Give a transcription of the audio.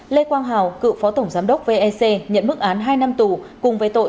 lê quang hào cựu phó tổng giám đốc vec nhận mức án hai năm tù cùng với tội